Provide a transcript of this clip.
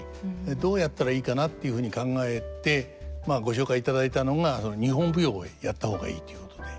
どうやったらいいかなっていうふうに考えてまあご紹介いただいたのが日本舞踊をやった方がいいということで。